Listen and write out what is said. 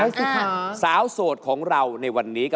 เพราะว่ารายการหาคู่ของเราเป็นรายการแรกนะครับ